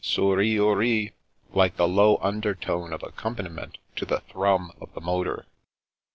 Souris ouris !" like a low undertone of accompaniment to the thnmi of the motor.